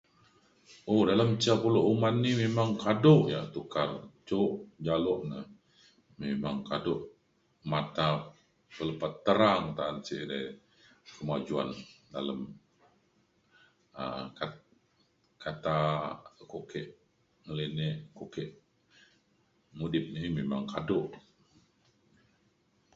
um dalem ca pulo uman ni memang kado yak tukar jok jalo na memang kado mata lepa terang ta’an si re kemajuan dalem um ka- kata ukok ke ngelinek ukok ke mudip ni memang kado